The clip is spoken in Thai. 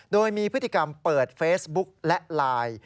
โดยมีพฤติกรรมเปิดเฟซบุ๊กและไลน์